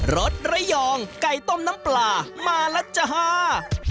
รสระยองไก่ต้มน้ำปลามาแล้วจ้า